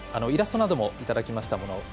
イラストなどもいただきましたもの